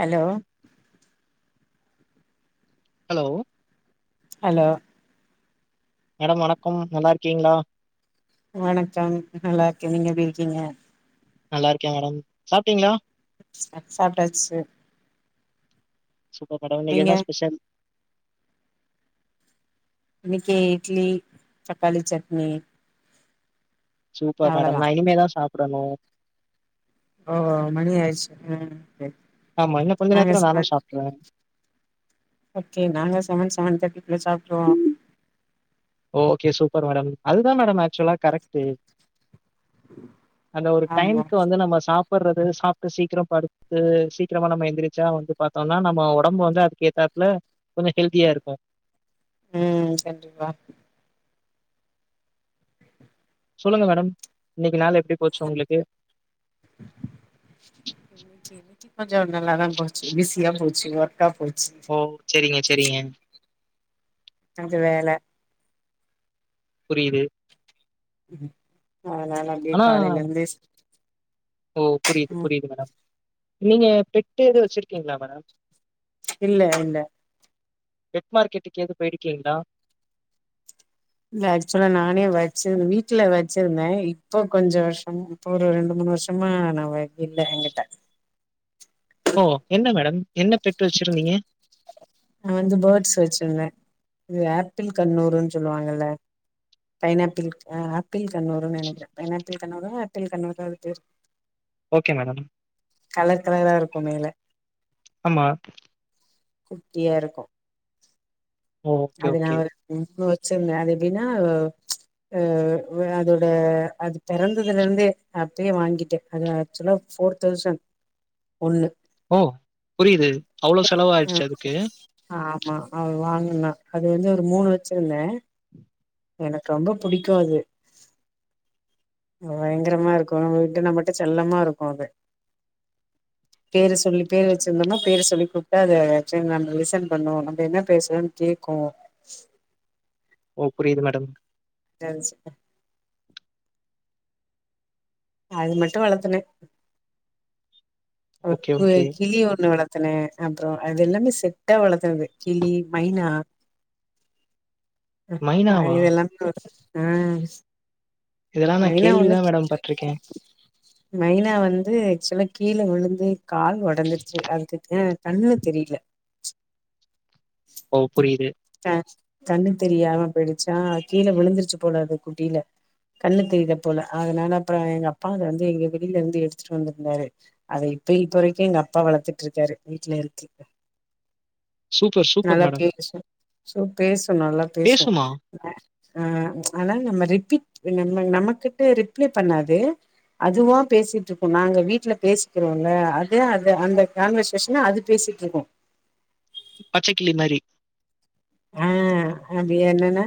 Hello hello hello madam வணக்கம் நல்லாருக்கீங்ளா வணக்கம் நல்லாருக்கே நீங்க எப்டி இருக்கீங்க நல்லாருக்கே மேடம் சாப்ட்டீங்ளா சாப்ட்டாச்சு சூப்பர் மேடம் இன்னக்கி நீங்க என்னா ஸ்பெஷல் இன்னைக்கி இட்லி தக்காளி சட்னி சூப்பர் மேடம் அவ்ளோதா நா இனிமேதா சாப்பிடணு ஓ மணி ஆயச் உம் ஆமா இன்னு கொஞ்ச நேரத்துல நானு சாப்ட்ருவே ஓகே நாங்க செவன் செவன் தேர்ட்டிக்குள்ள சாப்பிடுருவோ ஓகே சூப்பர் மேடம் அதுதா மேடம் ஆக்சுவலா கரெக்டு அந்த ஒரு ஆமா டைமுகு வந்து நம்ம சாப் சற சாப்பிட்டு சீக்கிரம் படுத்து சீக்கிரமா நம்ம எந்திரிச்சா வந்து பார்த்தோம்னா நம்ம உடம்பு வந்து அதுக்கேத்தா ல கொஞ்ச ஹெல்தியா இருக்கு உம் கண்டிப்பா சொல்லுங்க மேடம் இன்னைக்கு நாளு எப்படி போச்சு உங்களுக்கு இன்னைக்கி கொஞ்சோ நல்லாதா போச்சு பிசியா போச்சு ஒர்க் ஓ சரிங்க சரிங்க கொஞ்ச வேல புரியுது அதனால எப்படி ஆனா காலையிலயிருந்து ஓ புரியுது புரியுது மேடம் நீங்க பெட்டு எது வச்சிருக்கீங்களா மேடம் இல்ல இல்ல பெட் மார்க்கெட்டுக்கு ஏது போயிருக்கீங்களா இல்ல ஆக்சுவலா நானே வச்சிரு வீட்டுல வச்சிருந்தே இப்போ கொஞ்ச வருஷம் இப்ப ஒரு ரெண்டு மூணு மூணு வருஷமா நா இல்ல எங்கிட்ட ஓ என்ன மேடம் என்ன பெட் வச்சிருந்தீங்க நான் வந்து பேர்ட்ஸ் வச்சிருந்தே இது ஆப்பிள் கண்ணூருன்னு சொல்லுவாங்கல்ல பைனாப்பிள்ஹ ஆப்பிள் கண்ணூருன்னு நினைக்கிறே பைனாப்பிள் கண்ணூரா ஆப்பிள் கண்ணூரா அது பேரு ஓகே மேடம். கலர் கலர் ரா இருக்கு மேல ஆமா குட்டியா இருக்கு ஓ! ஓகே, அதன ஓகே. ஒரு வச்சிருந்த அது எப்படின்னா அ அதோட அது பிறந்ததுல இருந்தே அப்படியே வாங்கிட்டே அது ஆக்சுவலா ஃபோர் தௌசண்ட் ஒன்னு ஓ! புரியுது. அவ்ளோ செலவாயிடுச்சு அதுக்கு. ஆ ஆமா அவ வாங்கன அது வந்து ஒரு மூணு வச்சிருந்தே எனக்கு ரொம்ப பிடிக்கு அது பயங்கரமா இருக்கு நம்ம வீட்டு நம்மட்ட செல்லமா இருக்கு அது பேரு சொல்லி பேரு வச்சிருந்தோ பேரு சொல்லி கூப்பிட்டு அது நம்ம லிசன் பண்ணு நம்ம என்ன பேசுரோம்னு கேட் கு ஓ புரியுது மேடம் [unintelligible] அது மட்டு வளத்தன ஓ ஓகே, க் ஓகே. கிளி ஒண்ணு வளர் த்துன அப்புறம் அது எல்லாமே செட்டா வளர்த்தது கிளி மைனா ஆ மைனாவா? இதுல்லாமே ஆ இதெல்லாம் நான் மைனா கேள்வி ஒண்ணு தான் மேடம் பட்டுருக்கேன். மைனா வந்து ஆக்சுவலா கீழ விழு ந்து கால் உடஞ்ருச்சு அதுக்கு கண்ணு தெரியல ஓ புரியுது கண்ணு தெரியாம போயிடுச்சா கீழே விழுந்துருச்சு போலாது குட்டில கண்ணு தெரியத போல அதனால அப்புறம் எங்க அப்பா அதை வந்து எங்க வெளியில இருந்து எடுத்துட்டு வந்திருந்தாரு அத இப்ப இப்பரைக்கும் எங்க அப்பா வளத்துட்டு இருக்காரு வீட்ல இருக்கு சூப்பர் சூப்பர் நல்லா மேடம் பேசு சோ பேசும் நல்லா பேசும் பேசுமா? ஆ ஆனா நம்ம ரிபீட் நம்ம நம்ம கிட்ட ரிப்ளை பண்ணாது அதுவா பேசிட்ருக்கும் நாங்க வீட்ல பேசி றோம்ல அதே அது அந்த கான்வர்சேஷன அது பேசிட்ருக்கு பச்சைக்கிளி மாறி ஆ அது என்னன்னா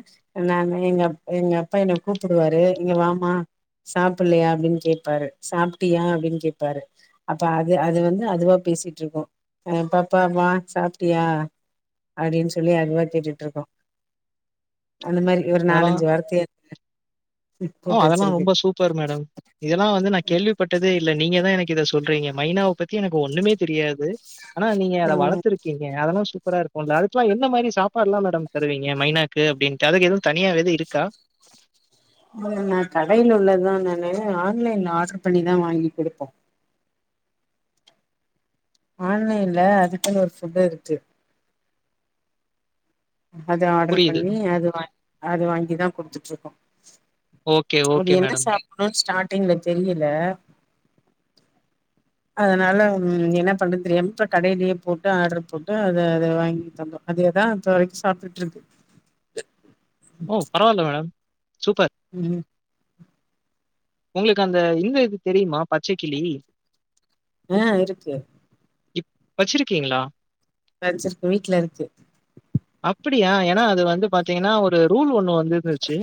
நானு எங்க எங்க அப்பா என்னய கூப்பிடுவாரு இங்க வாமா சாப்புல்லையா அப்டின்னு கேட்பாரு சாப்ட்டியா அப்டின்னு கேப்பாரு அப்ப அது அது வந்து அதுவா பேசிட்டு இருக்கு ஆ பாப்பா வா சாப்ட்டியா அப்டின்னு சொல்லி அது வா கேட்டிட்டு இருக்கோ அந்த மாரி ஒரு அதெல்லாம் நாலஞ்சு வார்த்தைய ஓ போட்டு அதெல்லா வச்சிருக்கு ரொம்ப சூப்பர் மேடம் இதெல்லா வந்து நான் கேள்விப்பட்டதே இல் இல்ல நீங்க தான் எனக்கு இத சொல்றீங்க மைனாவ பத்தி எனக்கு ஒண்ணுமே தெரியாது ஆனா நீங்க அத ம் வளத்துருக்கிங்க அதெலா சு ப்பரா இருக்குல அதுக்லா என்ன மாரி சாப்பாட்லா மேடம் தருவிங்க மைனாக்கு அப்டின்டு அதுகு எதும் தனியா வெது இருக்கா நா கடைல உள்ளதா நானு ஆன்லைன்ல ஆர்டர் பண்ணிதா வாங்கி குடுப்போ ஆன்லைன்ல அதுக்குன் ஒரு ஃபுட்டேருக்கு அது ஆட்ரு புரியுது. பண்ணி அது வா அது வாங்கி தா குடுத்துட்ருக்கோ ஓகே, அது ஓகே என்ன மேடம். சாப்புண்ணுன் ஸ்டார்டிங்ல தெரியல [inaudible] அதனால ம் என்ன பண்றது தெரியாம இப்ப கடைலியே போட்டு ஆட்ரு போட்டு அத அத வாங்கி தந்தோ அதேதா இப்ப வரைக் சாப்டுட்ருக்கு ஒ பரவால்ல மேடம் சூப்பர். ம் உங்ளுக் அந்த இந்த இது தெரியுமா பச்சைக்கிளி அ இருக்கு இப் வச்சிருக்கீங்ளா வெச்சிருக்கு வீட்ல இருக்கு அப்பிடியா ஏனா அது வந்து பாத்தீங்கன்னா ஒரு ரூல் ஒன் னோ வந்துந்துச்சு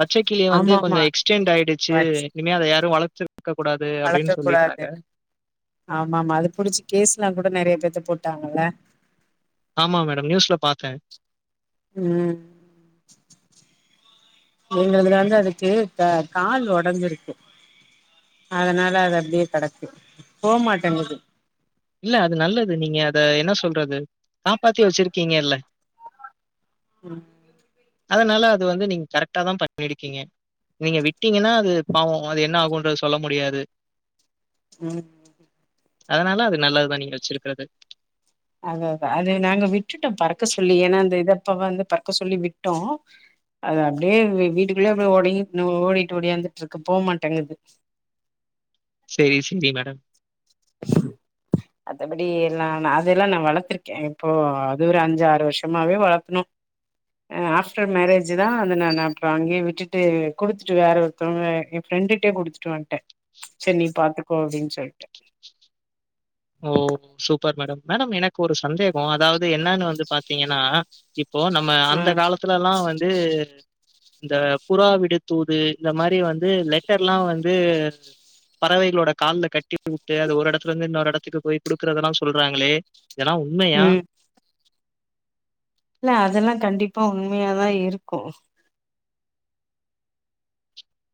பச்சை கிளிய வந்து ஆமா கொஞ்சு ஆமா எக்ஸ்டெண்ட் ஆயிடுச்சு வச் இனிமே அத யாரு வளத்து வளக்க கூடாதுனு ஆமாமா அது புடிச்சு கேஸ்லாங் கூட நெறைய பேத்துக் போட்டாங்கல்ல ஆமா மேடம் நியூஸ்ல பாத்தே ம் எங்கதுல வந்து அதுக்கு க கால் ஒடஞ்சிருக்கு அதனால அது அப்டியே கெடக்கு போமாட்டேங்குது இல்ல அது நல்லது நீங்க அத என்ன சொல்றது சாப்பாத்தியே வச்சிருக்கீங்க இல்ல [inaudible] அ அதனால அது வந்து நீங் கரெக்ட்டாதா பண்ணிடுக்கீங்க நீங்க விட்டீங்கன்னா அது பாவ அது என்னாகுன் ப்ரோ சொல்ல முடியாது ம் அதனால அது நல்லதுதா நீங் வெச்சிருக்கிறது அத அது நாங்க விட்டுட்டோ பறக்க சொல்லி ஏன்னா அந்த இத அப்ப வந்து பற்க்க சொல்லி விட்டோ அது அப்டியே வி வீட்டுக்குள்ளே அபே ஒடங்கின் ஓடிட்டு ஒடியாந்துட்ருக்கு போமாட்டேங்குது செரி [unintelligible] மேடம் அத்தபடி எல்லா நா அதெல்லா நா வளத்திருக்கே இப்போ அது ஒரு அஞ்சாறு வருஷமாவே வளத்னோ ஆஃப்டர் மேரேஜி தா அத நா நா அப்ற அங்யே விட்டுட்டு குடுத்துட்டு வேற ஒருத்தவ்ங்க எ ப்ரெண்டுட்டே குடுத்துட்டு வன்ட்டேன் செர் நீ பாத்துக்கோ அப்டின் சொல்ட்டு ஓ சூப்பர் மேடம் மேடம் எனக்கு ஒரு சந்தேகோ அதாவது என்னானு வந்து பாத்திங்கன்னா இப் ப்போ நம்ம ஆ அந்த காலத்துலல்லா வந்து இந்த புறாவிடு தூது இந்த மாறி வந்து லெட்டர்ல்லா வந்து பறவைகளோட கால்ல கட்டி உட்டு அது ஒரு எடத்துலருந்து இன்னொரு எடத் க்கு போய் குடுக்கறதல்லா சொல்றாங்களே இதலா உண்மயா ம் இல்ல அதல்லா கண்டிப்பா உண்மயாதா இருக்கு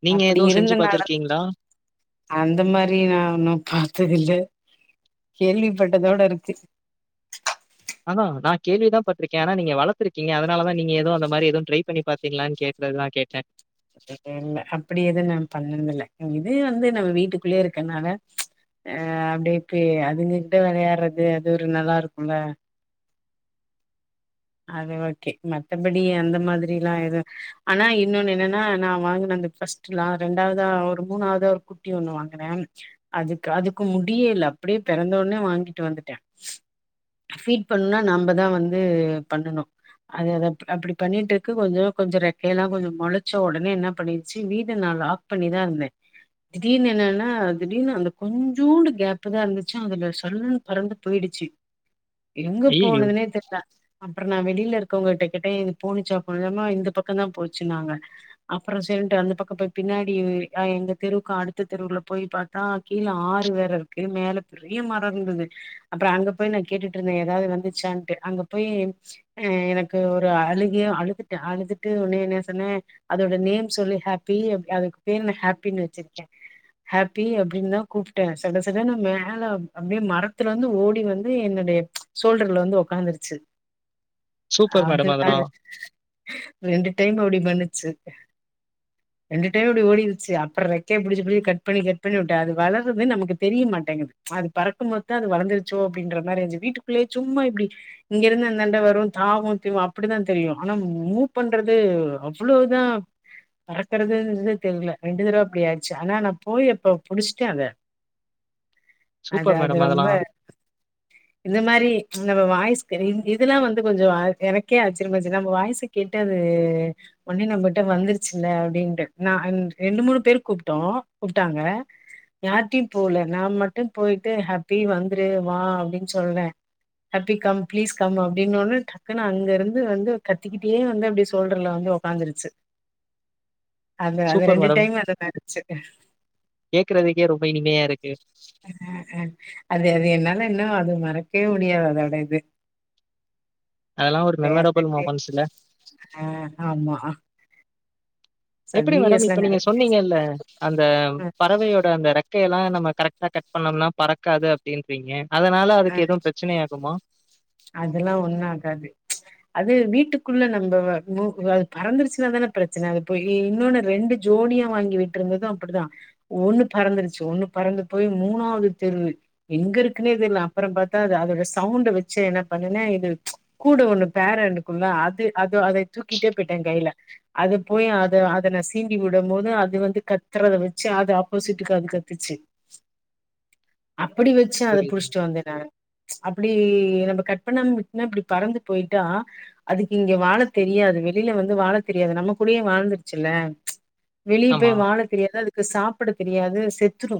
நீங்க அப்டி எதுவும் செஞ்சு இருந்தனால பார்த்துருக்கீங்களா? அந்த மாறி நா உன்னும் பாத்ததில்ல கேள்விப்பட்டதோட ருக்கு அதா நா கேள்விதா பட்ருக்கே ஆனா நீங்க வளத்துர்க்கிங்க அதனால தா நீங்க எதூ அந்த மாறி எதுவு ட்ரை பண்ணி பாத்திங்களான் கேட் எல்லா கேட்டே இல்ல அப்டி எதூ நா பண்ணதுல்ல இது வந்து நம்ம வீட்டுக்குள்ளயே இருக்கனால ஆ அப்டியே பேயி அதுங்க கிட்ட வெளையாட்றது அது ஒரு நல்லாருக்கும்ல அது ஓக்கே மத்தபடி அந்த மாதிரி ல்லா எது ஆனா இன்னொன் என்னனா நா வாங்குன ஃபர்ஸ்ட்டு ரெண்டாவ்தா ஒரு மூணாவ்து ஒரு குட்டி ஒண்ணு வாங்குனேன் அதுக்கு அதுக்கு முடியேல் ல அப்டியே பெறந்தவுட்னே வாங்கிட்டு வந்துட்ட ஃபீட் பண்ண நம்ப தா வந்து பண்ணனு அது அப்டி பண்ணிட்ருக்கு கொஞ்சோ கொஞ்சோ ரெக்கையெல்லா கொஞ்சோ மொளச்ச ஒடனே என்ன பண்ணிருச் சி வீட நா லாக் பண்ணிதா இர்ந்தே திடீர்னு என்னன்னா திடீர்னு அந்த கொஞ்சூண்டு கேப்ப தா இர்ந்துச்சு அதுல சல்லுன்னு பறந்து போயிடி ச்சி எங்க ஐயய்யோ! போனதுனே தெர்ல அப்றோ நா வெளில ருக்கவ்ங்ட்ட கேட்டே இது போனிச்சா போ அம்மா இந்த பக்கம் தா போச்சுனாங்க அப்றோ சேரின்ட்டு அந்த பக்க போய் பின்னாடி எங் ஆ எங்க தெருவுக் அடுத்த தெருவுல போய் பாத்தா கீழ ஆறு வேறருக்கு மே மேல பெரிய மரோ இர்ந்துது அப்றோ அங்க போய் நா கேட்டுட்டு ருந்தே எதாது வந்துச்சான்ட்டு அங்க போயி ஆ எனக்கு ஒரு அழுகயா அழுதுட்ட அழுதுட்டு ஒன்னே என்ன சொன்னே அதோட நேம் சொல்லி ஹாப்பி அதுக்கு பேரு நா ஹாப்பின் வச்சிருக்கே ஹாப்பி அப்டின்னதா கூப்ட்டே சடசடன்னு மேல அப்டியே மரத்துலந்து ஓடி வந்து என்ன எ சோல்டர்ல வந்து ஒக்காந்துருச்சு சூப்பர் அது மேடம் அதெல்லாம். ரெண்டு டைம் அப்டி பண்ணுச்சு ரெண்டு டைம் அப்டி ஓடிடுச்சி அப்றோ ரெக்கய புடிச்சி புடி கட் பண்ணி கட் பண்ணி விட்டே அது வளர்றது நமக்கு தெரியமாட் மாட்டேங்கது அது பறக்கும்மோத் தா அது வளந்துர்ச்சோ அப்டின்ற மாறி இருந்ச்சு வீட்டுக்குள்ளே சும்மா இப்டி இங்கேருந்து அங் நண்ட வரும் தாவும் தீவு அப்டிதா தெரியு ஆனா மூ பண்றது அவ்வளோ இதா பறக்குறதுன்றது தெர்ல ரெண்டு தடவ அப்டி ஆயிடிச்சி ஆனா நா போய் எப்ப புடிச்ட்டே அத [inaudible] அது சூப்பர் அது மேடம் ரொம்ப அதெல்லாம். இந்த மாறி நம்ம வாய்ஸ்க் [unintelligible] இதெல்லா வந்து கொஞ்சோ ஆ எனக்கே ஆச்சிர்யமாய்ச்சி நம்ப வாய்ஸு கேட்டு அது ஒன்னே நம்பட்ட வந்திருச்சு இல்ல அப்டின்ட்டு நா ரெண்டு மூணு பேர் கூப்ட்டோ கூப்ட்டாங்க யாருட்டயு போல நா மட்டு போய்ட்டு ஹாப்பி வந்துரு வா அப்டின் சொல்றே ஹாப்பி கம் ப்ளீஸ் கம் அப்டின்னோன்ன டக்குனு அங்கருந்து வந்து கத்திக்கிட்டே வந்து அப்டே சோல்டர்ல வந்து ஒக்காந்துருச்சு அந்த அது சூப்பர் ரெண்டு மேடம். டைம் அந்த மாரிந்துஞ்சு கேட்கறதுக்கே ரொம்ப இனிமையா இருக்கு. ஆ அ அது அது என்னால இன்னோ அது மறக் க்கே முடியாது அதோட இது அதெல்லாம் ஒரு மெமரபிள் [unintelligible] மொமெண்ட்ஸ் இல்ல. ஆ ஆமா எப்புடி மேடம் சீரியஸ்லா இப்ப நீங்க நெறைய சொன்னிங்கல்ல அந்த பறவயோட அந்த ரெக் கயெல்லா நம்ம கரக்ட்டா கட் பண்ணம்னா பறக்காது அப்டின்றிங்க அ அதுல்லா ஒண்ணு ஆகாது அது வீட்டுக் குள்ள நம்ப வ நுவ அது பறந்துருச்சுனா தான ப்ரச்சன இப்ப இ இன்னொன்னு ரெண்டு ஜோடியா வாங்கி விட்றது ந்தது அப்டிதா ஒண்ணு பறந்துருச்சு ஒண்ணு பறந்து போய் மூணாவது தெரு எங்கருக்குனே தெர்ல அங் அப்பறோ பாத்தா அது அதோட சவுண்ட வச்சே என்ன பண்ணுன இது கூட ஒண்ணு பேராருக்குல்ல அது அது க்யோ அதை தூக்கிட்டே போயிட்டே கைல அது போய் அத அதன சீண்டி விடும் போது அது வந்து கத்துற வச்சு அது அப்ப சிட்டுக்குக்காக கத்துச்சு அப்டி வச்சு அத புரியுது. புடிச்சுட்டு வந்தே நா அப்டி நம்ம கட் பண்ணமா விட்னா இப்டி பறந்து பொயிட்டா அதுக்கு இங்க வாழ தெரிய யாது வெளியில வந்து வாழ தெரியாது நம்ம கூடயே வாழ்ந்துருச்சுல்ல வெளிய ஆமா. போய் வாழ தெரியாது அதுக்கு சாப்புட தெரியாது அது செத்துரு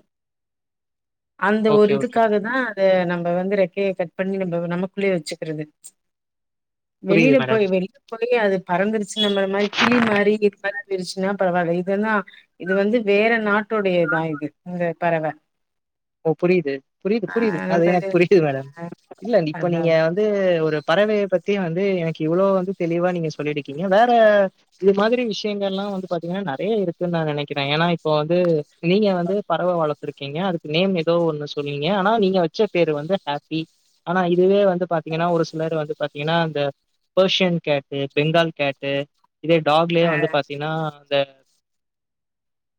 அந்த ஒரு ஓகே, ஓகே. இதுக்காகதா அத நம் ப வந்து ரெக்கைய கட் பண்ணி நம்ம நமக்குள்ளயே வச்சுக்குறது புரியுது வெளியில மேடம். போய் வெளியில போய் அது பறந்துருச்சு நம்மள மாரி கிளி மாரி இது மாரி பிரிச்சுன்னா பரவால்ல இதெல்லா இது வந்து வேற நாட்டுடைய இதா இது இந்த பறவ ஓ புரியுது புரியுது ஆ புரியுது அது நம்ம எனக்கு இது புரி த்து மேடம் இல்ல இப்ப அதா நீங்க அதா வந்து ஒரு பறவய பத்தி வந் வந்து எனக்கு இவ்ளோ வந்து தெளிவா நீங்க சொல்லிருக்கீங்க வேற இது மாதிரி விஷயங்கள்லா வந்து பாத்தீங்கன்னா நெறைய னே இருக்குன்னு நா நெனைக்கிறே ஏனா இப்ப வந்து நீங்க வந்து பறவ வளத்துருக்கீங்க அதுக் நேம் ஏதோ ஒன்னு சொன்னீங்க ஆனா நீங்க வச்ச பேரு வந்து ஹாப்பி ஆனா இதுவே வந் து பாத்தீங்கன்னா ஒரு சிலர் வந்து பாத்தீங்கன்னா இந்த பர்ஷியன் கேட்டு பெங்கால் கேட்டு இதே டாக்லயே ஆ வந்து பாத்தீன்னா அந்த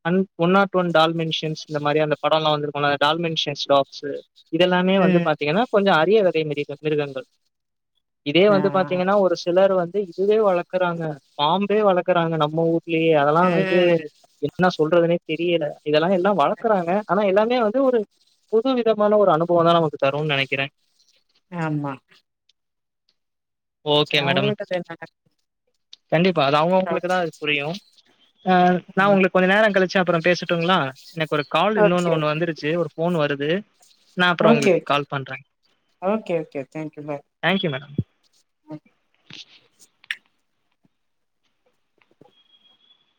an one not one dalmatians இந்த மாரி அந்த படோல்லா வந்துருக் டால்மன்ஷென்ஸ் டாக்ஸூ இதெல்லாமே வந்து ம் பாத்தீங்கன்னா கொஞ்சோ அரிய வகை மிரு மிருகங்கள் இதே ஆ வந்து பாத்தீங்கன்னா ஒரு சிலர் வந்து இதுவே வளக்குறாங்க பாம்பே வளக்குறாங்க நம்ம ஊர்லயே அதெல்லா வந்து ம் என்ன சொல்றதுனே தெரியல இதெல்லா எல்லா வளக்குறாங்க ஆனா எல்லாமே வந் இது ஒரு புது விதமான ஒரு அனுபோந்தா நமக்கு தருனு நெனைக்கிறே ஆமா ச ஓகே மேடம். அவுங்களோடக்கா சரின் சொன்னே கண்டிப்பா அது அவுங்கவுங்களுக்கு தா அது புரியோ அ நா உங்களுக்கு கொஞ்ச நேரோ கழிச்சு அப்பறோ பேசட்டுங்களா எனக்கு ஒரு கால் ஓகே இன்னொன்னு ஒண்ணு வந்துருச்சு ஒரு போன் வருது நா அப்பறோ ஓகே உங்களுக்கு கால் பண்றே okay okay thank you bye thank you madam